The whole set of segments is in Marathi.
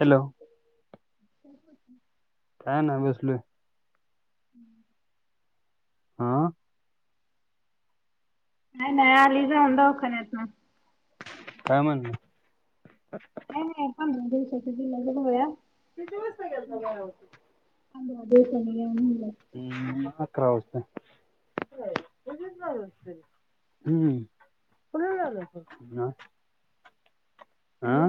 हॅलो? काय नाये बसलोय. हम्म. [inaudible] अं? नाई नाय, आली जाऊन दवखान्यातुन. काय म्हणलं? काय नाई पंदरा दिवसाच्या दिल्यात गोळ्या. पंदरा दिवसांन या म्हणल्यात. हम्म, अकरा वाजता. इथच बारा वाजताय, ह्म. हॅलो?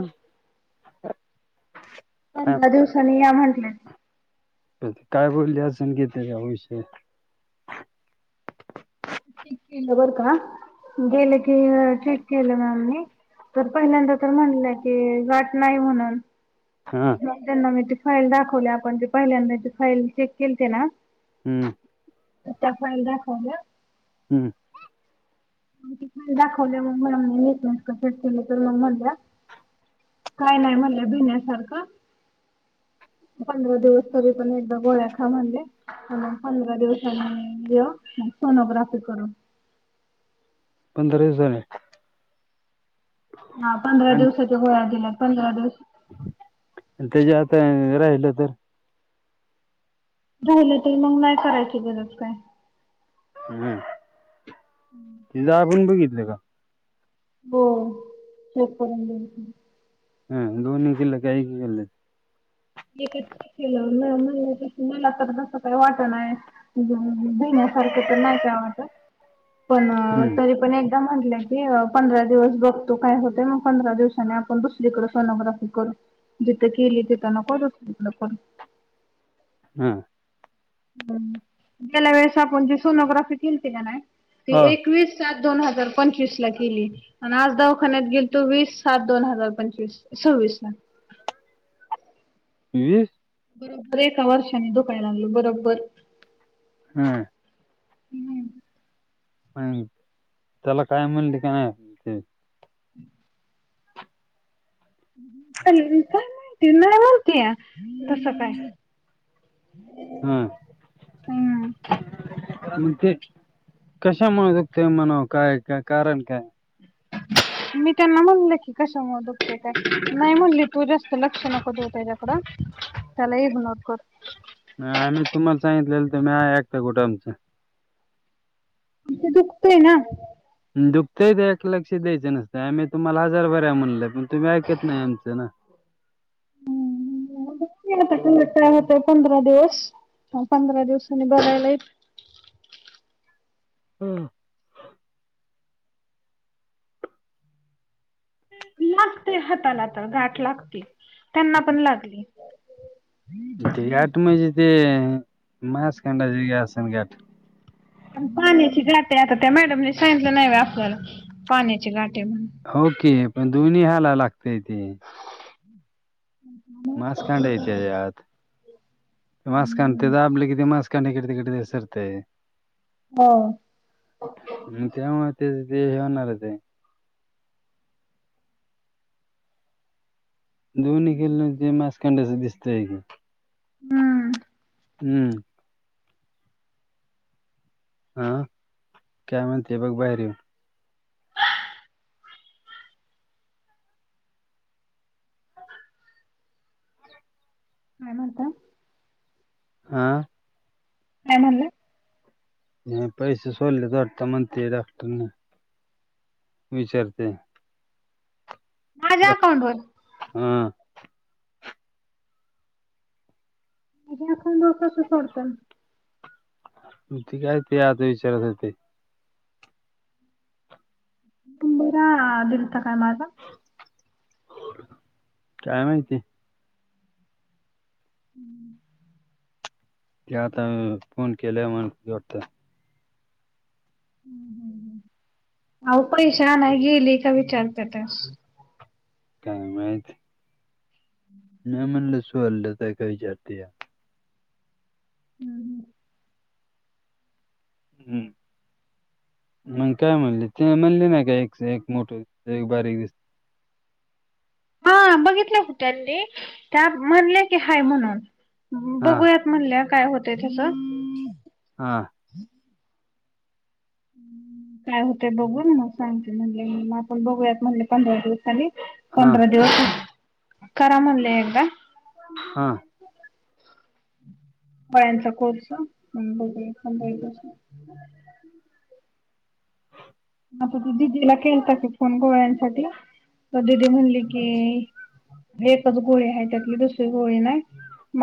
काय पंधरा दिवसांनी या म्हंटल्यात. काय बोलले असेन की [unintelligible] तेच्यावर विषय. चेक केलं बरं का, गेलं की चेक केलं मॅमनी. तर पहिल्यांदा तर म्हटल्या की, गांठ नाही म्हणून. हा त्यांना मी ते फाईल दाखवली, आपण ते पहिल्यांदाची फाईल चेक केलती ना? हम्म. त्या फाईल दाखवल्या. हम्म. मग ते फाईल दाखवले मग मला नेट [unintelligible] नास कसच केलं तर मग म्हणल्या. काय नाई म्हणल्या भिण्यासारखं. पंधरा दिवस तरी पण एकदा गोळ्या खा म्हणल्या. अजून पंधरा दिवसानी या मग सोनोग्राफी करू. पंधरा दिवसांनी? हां पंधरा आणि दिवसाच्या गोळ्या दिल्यात, पंधरा दिवस त्याच्या आता राहिलं तर? राहिलंत मग नाही करायची गरज काई. हम्म. हम्म. [inaudible] ते दाबून बघितलं का? हो चेक करून बघितलं. हम्म, दोन्ही केलं का एक केलं? एक केलं म मला तर तस काही वाट नाय भीण्यासारखं तर नाही काय वाटत, पण हम्म तरी पण एक दा म्हटलं की पंधरा दिवस बघतो काय होतय, मग पंधरा दिवसानी आपण दुसरीकडे सोनोग्राफी करू. जिथे केली तिथ नको, दुसरी कड करू. हं. गेल्या वेळेस आपण जे सोनोग्राफी केलती का नाय, ती हा एकवीस सात -दोन हजार पंचवीस ला, केली. आणि आज दवाखान्यात गेल तो, वीस सात दोन हजार पंचवीस सव्वीस ला ईई. बरोबर एका वर्षाने धुकाया लागलं बरोबर ह्म. ह्म. त्याला काय म्हणली का नाही? ते हम्. काय माहिती नाही बोलतंतीया तस काय? हा हम्म. मग ते कशा मुळे दखते म्हण काय का कारण काय? [unintelligible] मी त्यांना म्हणले की कशामुळे दुख का, नाही म्हणली तू जास्त लक्ष नको दू त्याच्यात त्याला इग्नोर कर. आम्ही तुम्हाला सांगितलेलं तर मी आहे एकट्या कुठ आमचं तिथं दुखतय ना? दुखतय त्या लक्ष द्यायं नसतय आम्ही तुम्हाला हजार बर्या म्हणलंय पण तुम्ही ऐकत नाही आमचं ना? हम्म. आताु काय होते पंधरा दिवस पंधरा दिवसांनी बगायला येत. हं. ते हातालाात गाठ लागते त्यांना पण लागली. ते घाठ म ज ते मास कड ज अस घाट पाण्याची गाठ आता त्या मॅडमने सांगितलं नाही व आपल्याला पाण्याची गाठ आहे म्हणून हो की पण दोन्ही ह्याला लागतय ते हच्छ. मास काांडाय त्याच्यात मास काांडते हम्म तर आपले किती मास इकडे किडत सरतेय. हो. त्यामुळे ते ते जे होणार आहे ते दोन्ही खेल् ज मासखंड असं दिसतय. हम्म. हम्म. हा.. का म्ह ते बघ बाहेर येवून. काय म्हणता. हा. काय म्हणला? ह पैसे सोले वाटत म्हणतेय डॉक्टरन विचारते. माझ्या अकाउंट वर आ. [unintelligible] ते काय ते आता विचाराच होते. तुबरा दिलता काय माझा? काय माहिती? हम्म. ते आता.. फोन केल्या म्हता डॉक्टर हम्म हम्म हम्म म आओ पैशे आणायला गेले काय विचारते ते काय माइत. नाही म्हणले सुोल्लंता काही झाते. हम् हम. हम्म. मग काय म्हणले ते म्हणले नाही का एक एक मोठ एक बारीक दिसत. हा बघितल्या होतनी त्या म्हणले की हाय म्हणून हा बघूयात. म्हणल्यावर काय होतय तस. हा. काय होतेय बगुन म सांगते म्हणले मग आपण बघूयात म्हणले म पणदरा दिवसांनी हा पंदरा दिवस करामनल एकदा हां गोळ्यांचा कोर्स म बगूया पंधरा दिवसांन आता ते दिदीला केलता की फोन गोळ्यांसाठी दीदी म्हणली की एकच गोळी हाय त्यातली दुसरी गोळी नाय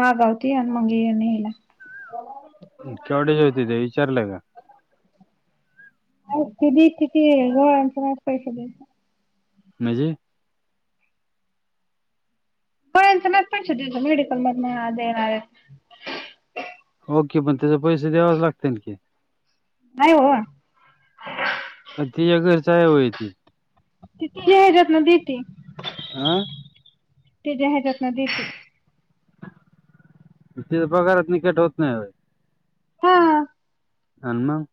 मागावती आणि मग ये न्यायला केवडयाच्या हुत्या त्या विचारलं का? नाही ती देती ती गोळ्यांचे माझं पैसे द्यायचं म्हजे [unintelligible] हो कि पण त्याचे पैसे द्यावचं लागतेन की नाइ ओ का तिच्या घरचं हाय वय ती? ति तिच्या हेच्यातनं दिती आ तिज्या हेज्यातन दिती म तिच्या पगारातन कट होत नाही व्हय हा अन् मग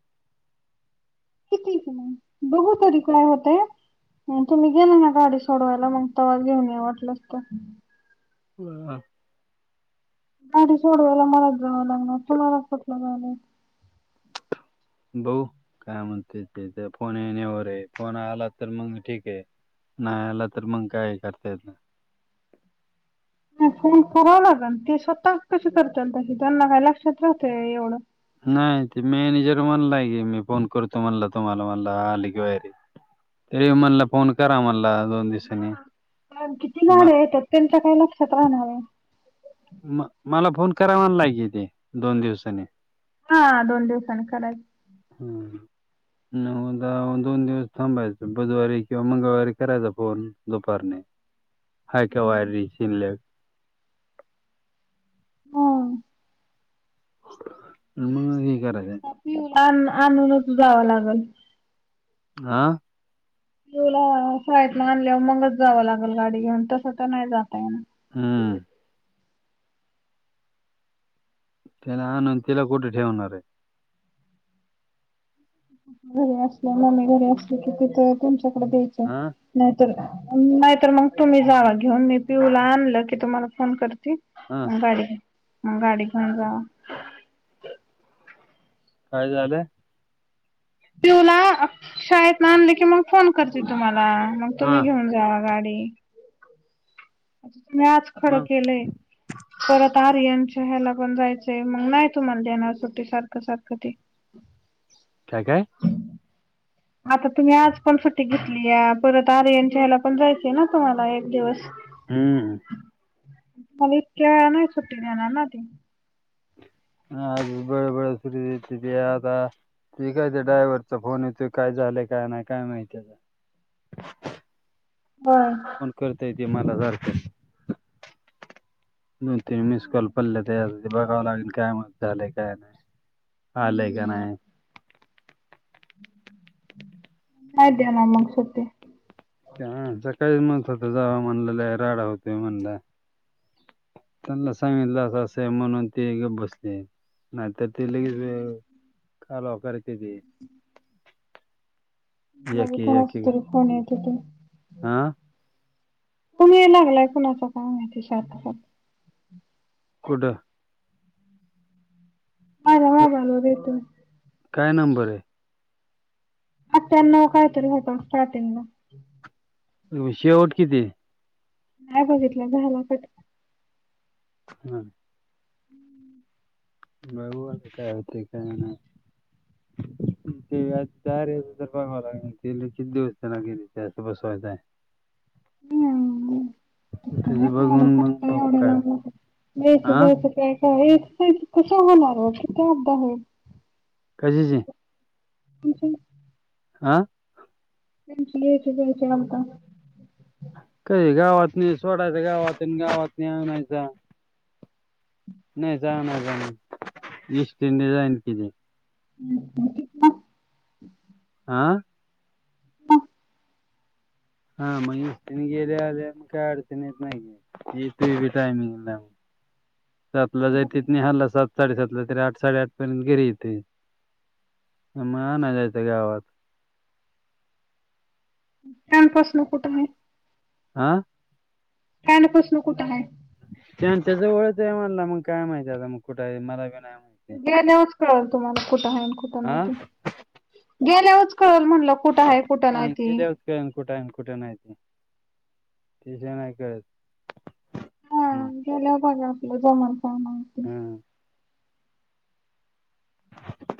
हुतूय की मग बगू तरी काय होतय? तुम्ही गेला ना गाडी सोडवायला मग तवा घेऊन या वाटलस तर हा गाडी सोडवायला मलाचं जावं लागणार तुमाला कुटलं झालं बघू काय म्हणत्यात ते फोन येण्यावर आहे फोन आला तर मग ठीक आहे नाय आला तर मंग काय करता येत नाइ फोन करावा लागंन ते स्वतःचं कसे करत्याल तशी त्यांना काय लक्षात राहतय व्हय एवढं नाइ ते मॅनेजर म्हणलाय की मी फोन करतो म्हणल तुम्हाला म्हणलं आली की बाहेरी यो म्हणला फोन करा म्हणला दोन दिवसांनी. हा पण किती म गाड्या येत्यात त्यांच्या काय लक्षात राहणार हाय म मला फोन करा म्हणालाय की ते दोन दिवसानी आ दोन दिवसांनी करायचं हम्म उदा दोन दिवस थांबायचं बुदवारी किंवा मंगळवारी करायचा फोन दुपारने [inaudible] हाय काय वायरिंग शिल्लक हम्म म म हे करायच आणूनच जावं लागंल आ पियुला शाळेतनं आणल्यावर मगच जावं लागेल गाडी घेऊन तसं तर नाइ जाता येणार हम्म तिला आणून तिला कुठे ठेवणार आहे घरी असले मम्मी घरी असली कि तिथं तुमच्याकडे द्यायचं हा नाहीतर नाहीतर मग तुम्ही जावा घेऊन मी पिऊला आणलं की तुम्हाला फोन करते हा मग गाडी म गाडी घेऊन जावा काय झालं? पिहू ला शाळेतनं आणलं की मग फोन करती तुम्हाला तुम्ही हा घेऊन जावा गाडी मी आज खरं मग केलंय परत आर्यनच्या ह्याला पण जायचंय मग नाही तुम्हाला सूट्टी सारखं सारखं ती काय काय? आता तुम्ही आज पण सुट्टी घेतलीया परत आर्यनच्या ह्याला पण जायचंय ना तुम्हाला एक दिवस हम् मग इतक्या नाही सुट्टी देणार ना तीं मी आज बळबळ [unintelligible] ते काय ते ड्रायव्हरचा फोन येतोय. काय झालंय? काय नाही, काय माहिती आता? हम. करता येते मला [unintelligible] न ते मिस्कॉल पडले त्यासाठी बघावं लागेल काय म काय झालय? काय नाही? आलंय का हम्म. नाही? नाहीत देणार मग ते सुट्टे. सकाळी म्हणत होत. जाव म्हणल. लई राडा होतोय म्हणला. त्यांला सांगितलं अस असंय म्हणून ते गप बसले. नाहीतर - ते लई हे कालवा करत्यात ते. मलाबी कोणाचे तरी फोन येत होते. आ? तुम्ही ये लागलाय कुणाचा फोन [unintelligible] कुड? त- [unintelligible] काय नंबर ए? आठ्ठयाणव काय तरी होता स्टार्टिंगला. शेवट किती? नाही बघितलं. [unintelligible] हम्. हम्म. बघू आता काय होतय? काय नाही? [unintelligible] असं बसवायचं आहे. हम. [unintelligible] एवढा काय लागला हा [unintelligible] कशाचे? कुठे? हा? रिप्ले असेल बघ याच्यानन्तर. काही गावात नेई सोडायच्या. गावातुन गावात [unintelligible] नाही [unintelligible] एस टी ने जाईन कि मी. हम्. आं? मग. हा. म्हणजे [unintelligible] काही अडचणी येत नाहीये. [unintelligible] टायमिंग नाही. [unintelligible] साडेसातला. तरी आठ साडेआठ पर्यंत घरी येतंय. मग [unintelligible] गावात. काल पासनं कुठं [unintelligible] आं? कालपासन कुठं नाहीत. त्यांच्या जवळच आहे म्हणला. मग काय माहिती आता? मग कुठं आहे? मला बी नाही माहित. गेल्यावरच कळेल तुम्हाला कुठं आहे आणि कुठं नाही हा ते. गेल्यावरच कळेल म्हणलं. कुठं हा. आहे कुठं नाही ते गेल्यावरच कळल का कुठे आहे? न कुठे नाही ते. [unintelligible] नाही कळत. हम्. गेला बघा. आपल्या [unintelligible] हम. [unintelligible]